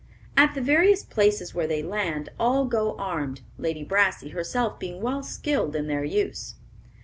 At the various places where they land, all go armed, Lady Brassey herself being well skilled in their use.